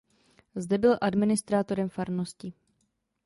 Zde byl administrátorem farnosti.